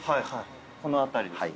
この辺りですね？